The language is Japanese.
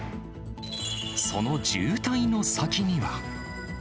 その渋滞の先には。